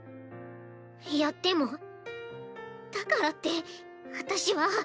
いやでもだからって私は。